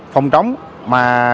phòng trống mà